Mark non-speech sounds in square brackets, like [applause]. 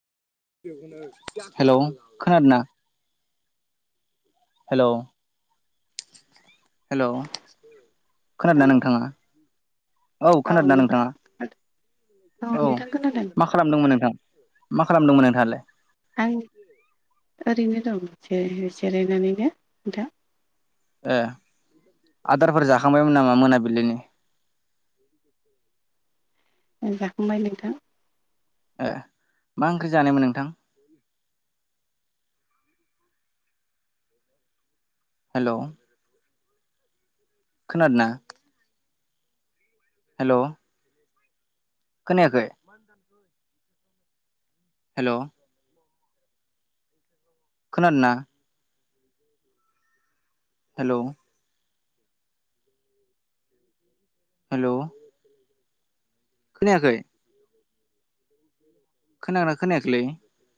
Hello खोनादोंना? Hello hello hello खोनादोंना नोंथाङा? औ खोनादोंना नोंथां नोंथाङा? औ औ नोंथां खोनादों माख खालामदोंमोन नोंथां मा खालामदोंमोन नोंथाङालाय? आं ओरैनो दं जिराय जिरायनानैनो नोंथां। ए आदारफोर जाखांबायमोन नामा मोनाबिलिनि? अ ओं जाखांबाय नोंथां। ए मा ओंख्रि जानायमोन नोंथां? हेलौ। खोनादों ना? हेल'। खोनायाखै? [inaudible] हेल'। खोनादों ना? हेलौ। [inaudible] हेलौ। खोनायाखै? उ [inaudible] खोनाना खोनायाखैलै?